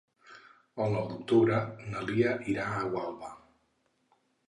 El nou d'octubre na Lia irà a Gualba.